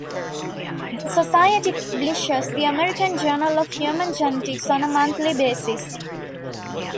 The Society publishes the American Journal of Human Genetics on a monthly basis.